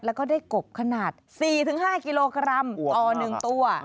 แล้วก็ได้กบขนาด๔๕กิโลกรัมต่อ๑ตัว